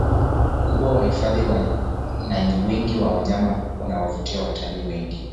ukubwa wa hifadhi na wingi wa wanyama unawavutia watalii wengi